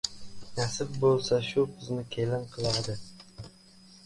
Nasib bo‘lsa, shu qizni kelin qiladi!